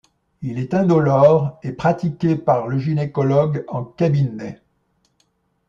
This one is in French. Il est indolore et pratiqué par le gynécologue en cabinet.